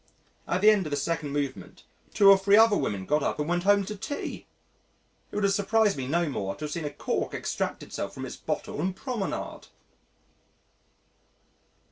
At the end of the second movement, two or three other women got up and went home to tea! It would have surprised me no more to have seen a cork extract itself from its bottle and promenade.